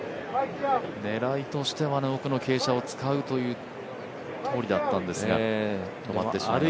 狙いとしては奥の傾斜を使うというとおりだったんですが、止まってしまいました。